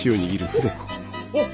おっ。